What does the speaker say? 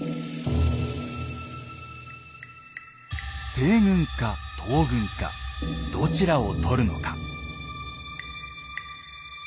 西軍か東軍かどちらを取るのか。